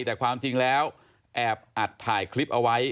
แต่ความจริงแล้วแอบอัดถ่ายคลิปเอาไว้